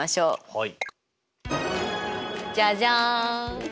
はい。